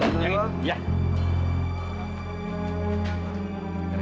mau beli apa